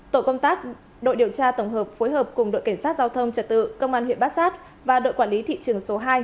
tổ công tác đội điều tra tổng hợp phối hợp cùng đội cảnh sát giao thông trật tự công an huyện bát sát và đội quản lý thị trường số hai